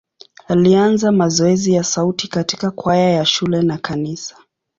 Alianza mazoezi ya sauti katika kwaya ya shule na kanisa.